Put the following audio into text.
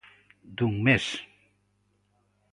Dun mes.